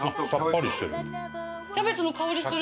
キャベツの香りする。